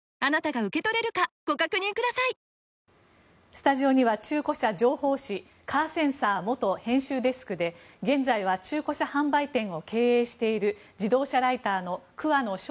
スタジオには中古車情報誌「カーセンサー」元編集デスクで現在は中古車販売店を経営している自動車ライターの桑野将